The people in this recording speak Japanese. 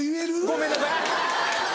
ごめんなさい。